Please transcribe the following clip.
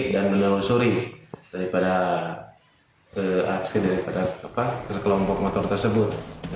dan menawar suri daripada aksi dari kelompok motor tersebut